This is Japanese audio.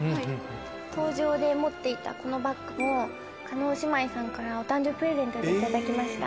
登場で持っていたこのバッグも叶姉妹さんからお誕生日プレゼントで頂きました。